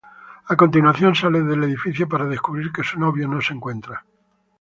A continuación, sale del edificio para descubrir que su novio no se encuentra.